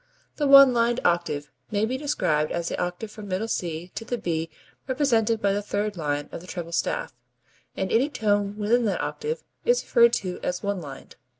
The one lined octave may be described as the octave from middle C to the B represented by the third line of the treble staff, and any tone within that octave is referred to as "one lined."